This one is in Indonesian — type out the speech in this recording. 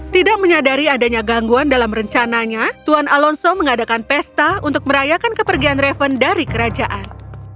tidak menyadari adanya gangguan dalam rencananya tuan alonso mengadakan pesta untuk merayakan kepergian reven dari kerajaan